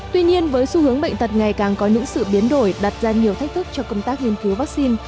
tuy nhiên với xu hướng bệnh tật ngày càng có những sự biến đổi đặt ra nhiều thách thức cho công tác nghiên cứu vaccine